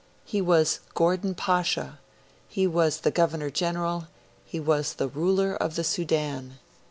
He was Gordon Pasha, he was the Governor General, he was the ruler of the Sudan.